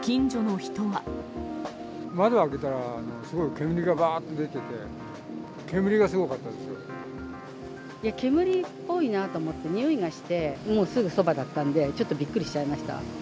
窓を開けたら、すごい煙がわーって出ていて、煙っぽいなと思って、においがして、もうすぐそばだったんで、ちょっとびっくりしちゃいました。